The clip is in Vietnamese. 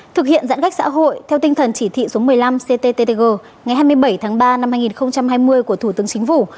thực hiện giãn cách xã hội theo tinh thần chỉ thị số một mươi năm cttg ngày hai mươi bảy tháng ba năm hai nghìn hai mươi của thủ tướng chính phủ